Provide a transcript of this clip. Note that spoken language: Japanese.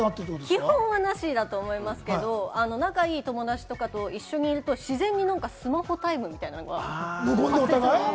基本はなしだと思いますけど、仲いい友達とかと一緒にいると自然にスマホタイムみたいな、発生するんです。